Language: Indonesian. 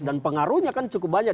dan pengaruhnya kan cukup banyak